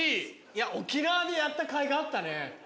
沖縄でやったかいがあったね。